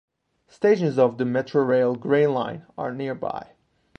Stations of the Metrorail Green Line are nearby.